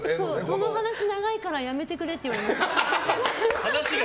その話長いからやめてくれって言われました。